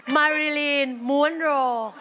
มาริลีนม้วนโร